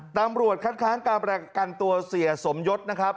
ตำรวจคัดค้างการประกันตัวเสียสมยศนะครับ